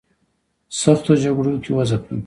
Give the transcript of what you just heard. سختو جګړو کې وځپل.